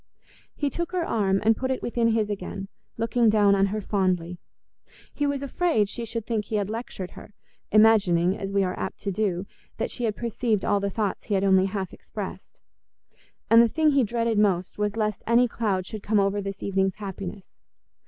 He took her arm and put it within his again, looking down on her fondly. He was afraid she should think he had lectured her, imagining, as we are apt to do, that she had perceived all the thoughts he had only half expressed. And the thing he dreaded most was lest any cloud should come over this evening's happiness.